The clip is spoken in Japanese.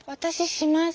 します！